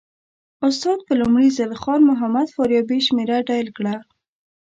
استاد په لومړي ځل خان محمد فاریابي شمېره ډایل کړه.